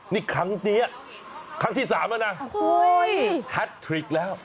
นี่ครั้งนี้ครั้งที่๓แล้วนะแฮทริกแล้ว